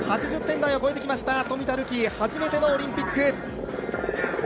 ８０点台は超えてきました冨田るき、初めてのオリンピック。